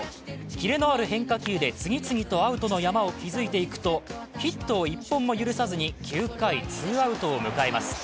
切れのある変化球で次々とアウトの山を築いていくとヒットを１本も許さずに９回、ツーアウトを迎えます。